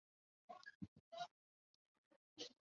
其也被誉为尼泊尔的国民美食。